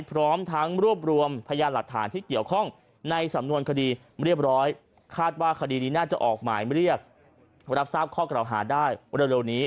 พร้อมทั้งรวบรวมพยานหลักฐานที่เกี่ยวข้องในสำนวนคดีเรียบร้อยคาดว่าคดีนี้น่าจะออกหมายเรียกรับทราบข้อกล่าวหาได้เร็วนี้